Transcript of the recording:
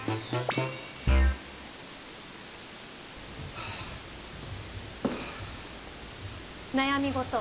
はあはあ悩み事？